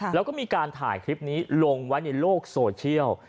แล้วก็มีการถ่ายคลิปนี้ลงไว้ในโลกโซเชียล